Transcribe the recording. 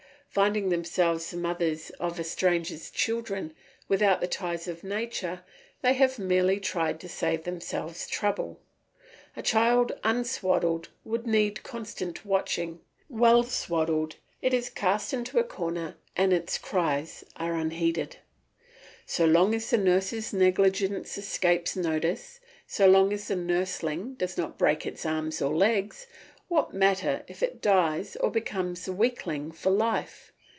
Finding themselves the mothers of a stranger's children, without the ties of nature, they have merely tried to save themselves trouble. A child unswaddled would need constant watching; well swaddled it is cast into a corner and its cries are unheeded. So long as the nurse's negligence escapes notice, so long as the nursling does not break its arms or legs, what matter if it dies or becomes a weakling for life.